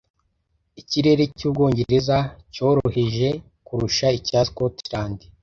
Ikirere cyUbwongereza cyoroheje kurusha icya Scotland